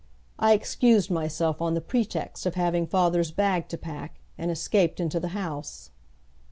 I excused myself on the pretext of having father's bag to pack, and escaped into the house.